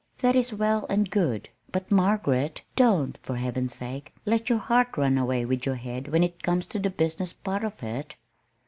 That is well and good; but, Margaret, don't, for heaven's sake, let your heart run away with your head when it comes to the business part of it!"